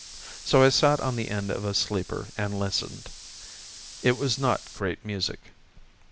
So I sat on the end of a sleeper and listened. It was not great music.